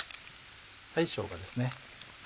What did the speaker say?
しょうがです。